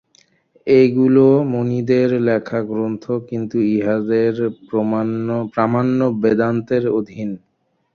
এইগুলি মুনিদের লেখা গ্রন্থ, কিন্তু ইহাদের প্রামাণ্য বেদান্তের অধীন।